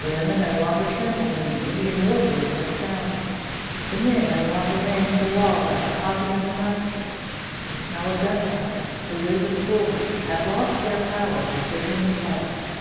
The women no longer trembled when the Indian war whoop sounded. The men no longer ran to the walls at the popping of muskets. The smell of gunpowder, the whiz of bullets, had lost their power to quicken the pulse.